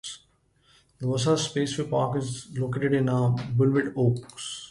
The Vassar Spaceway Park is located in Boulevard Oaks.